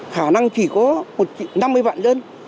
khả năng chỉ có năm mươi vạn dân